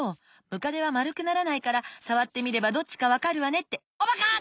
ムカデはまるくならないからさわってみればどっちかわかるわねっておばか！